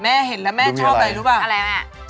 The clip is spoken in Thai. แม่เห็นแล้วแม่ชอบอะไรรู้ปะภารกิจอะไรอะไรแงะ